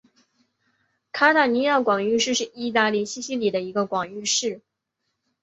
卡塔尼亚广域市是意大利西西里的一个广域市。